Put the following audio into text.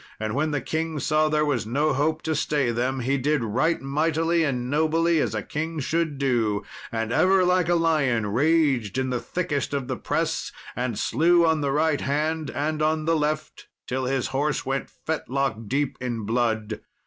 And when the king saw there was no hope to stay them, he did right mightily and nobly as a king should do, and ever, like a lion, raged in the thickest of the press, and slew on the right hand and on the left, till his horse went fetlock deep in blood.